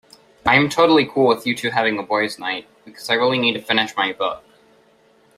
I am totally cool with you two having a boys' night because I really need to finish my book.